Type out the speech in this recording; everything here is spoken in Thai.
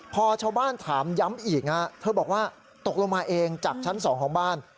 พอชาวบ้านถามย้ำอีกเธอบอกว่าตกลงมาเองจากชั้น๒ของบ้าน